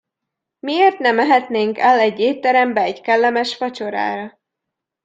Miért ne mehetnénk el egy étterembe egy kellemes vacsorára?